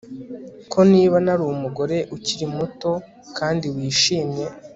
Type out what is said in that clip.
ko niba nari umugore ukiri muto kandi wishimye